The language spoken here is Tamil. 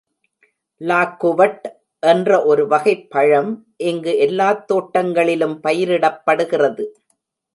லாக்குவட் என்ற ஒரு வகைப் பழம் இங்கு எல்லாத் தோட்டங்களிலும் பயிரிடப்படுகிறது.